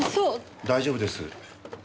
大丈夫です。